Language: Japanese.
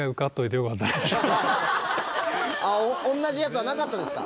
あっ同じやつはなかったですか？